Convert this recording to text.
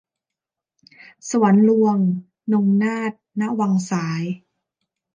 สวรรค์ลวง - นงนาถ ณ วังสาย